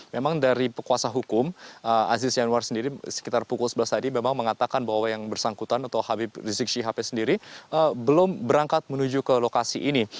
memang dari kuasa hukum aziz yanwar sendiri sekitar pukul sebelas tadi memang mengatakan bahwa yang bersangkutan atau habib rizik syihabnya sendiri belum berangkat menuju ke lokasi ini